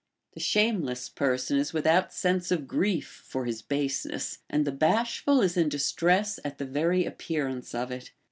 The shameless person is without sense of grief for his baseness, and the bashful is in distress at the very appearance of it.